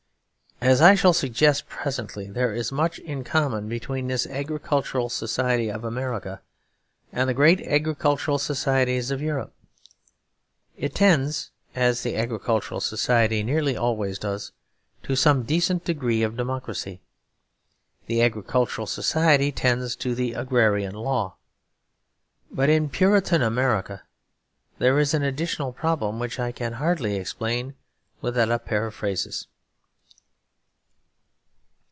As I shall suggest presently, there is much in common between this agricultural society of America and the great agricultural societies of Europe. It tends, as the agricultural society nearly always does, to some decent degree of democracy. The agricultural society tends to the agrarian law. But in Puritan America there is an additional problem, which I can hardly explain without a periphrasis.